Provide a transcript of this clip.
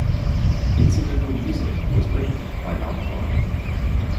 Incidental music was written by Malcolm Arnold.